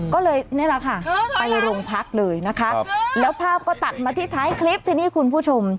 ก็เลยนี่แหละค่ะไปโรงพักเลยนะคะแล้วภาพก็ตัดมาที่ท้ายคลิปทีนี้คุณผู้ชม